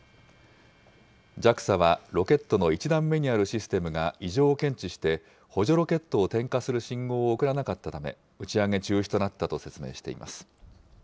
ＪＡＸＡはロケットの１段目にあるシステムが異常を検知して、補助ロケットを点火する信号を送らなかったため、打ち上げ中止となったと説明しています。